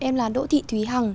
em là đỗ thị thúy hằng